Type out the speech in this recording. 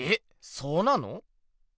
そうなの？